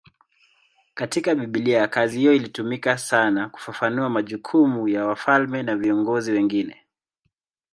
Katika Biblia kazi hiyo ilitumika sana kufafanua majukumu ya wafalme na viongozi wengine.